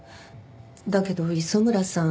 だけど磯村さん